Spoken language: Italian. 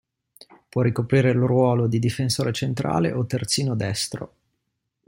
Può ricoprire il ruolo di difensore centrale o terzino destro.